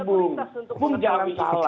bukan interpretasi untuk